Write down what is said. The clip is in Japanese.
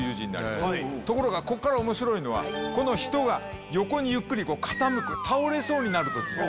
ところがこっから面白いのは人が横にゆっくり傾く倒れそうになる時がある。